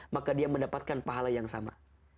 maka dia mendapatkan pahala yang sama